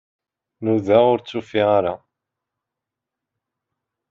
Nuda-ɣ-t, ur t-ufiɣ ara.